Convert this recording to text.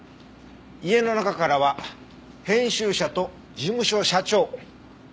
家の中からは編集者と事務所社長以外の指紋が